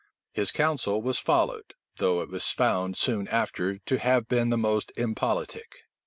His counsel was followed though it was found, soon after, to have been the most impolitic.